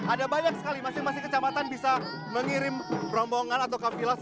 ada banyak sekali masing masing kecamatan bisa mengirim rombongan atau kavilas